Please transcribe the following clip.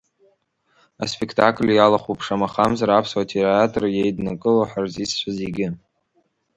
Аспектакль иалахәуп, шамахамзар, аԥсуа театр иеиднакыло ҳартистцәа зегьы.